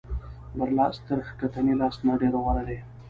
بر لاس تر ښکتني لاس نه ډېر غوره دی.